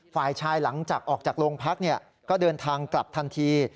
ฝ่ายชายหลังจากออกจากโรงพักก็เดินทางกลับทันที